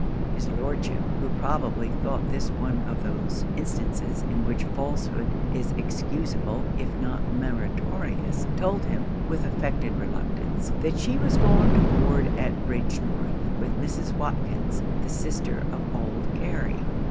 His Lordship, who probably thought this one of those instances in which falsehood is excuseable if not meritorious, told him, with affected reluctance, that she was gone to board at Bridgenorth, with Mrs. Watkins, the sister of old Carey.